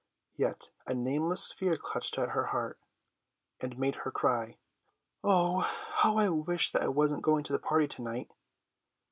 Yet a nameless fear clutched at her heart and made her cry, "Oh, how I wish that I wasn't going to a party to night!"